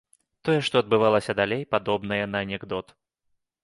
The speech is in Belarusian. Тое, што адбывалася далей, падобнае на анекдот.